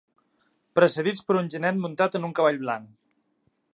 Precedits per un genet muntat en un cavall blanc.